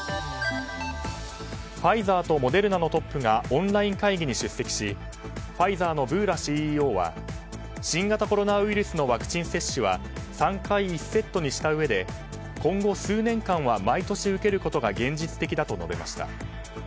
ファイザーとモデルナのトップがオンライン会議に出席しファイザーのブーラＣＥＯは新型コロナウイルスのワクチン接種は３回１セットにしたうえで今後、数年間は毎年受けることが現実的だと述べました。